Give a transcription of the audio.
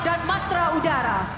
dan matra udara